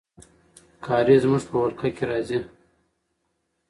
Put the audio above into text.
کارېز زموږ په ولکه کې راځي.